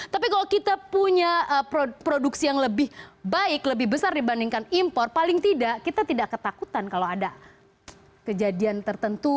tapi kalau kita punya produksi yang lebih baik lebih besar dibandingkan impor paling tidak kita tidak ketakutan kalau ada kejadian tertentu